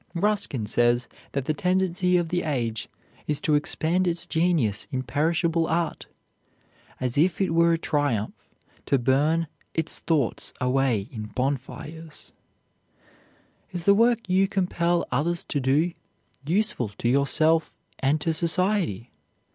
Ruskin says that the tendency of the age is to expend its genius in perishable art, as if it were a triumph to burn its thoughts away in bonfires. Is the work you compel others to do useful to yourself and to society?